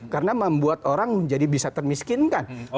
karena membuat orang jadi bisa termiskinkan